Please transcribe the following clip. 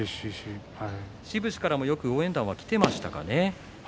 志布志からもよく応援団が来ていましたかね。